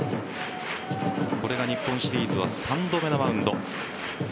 これが日本シリーズは３度目のマウンド。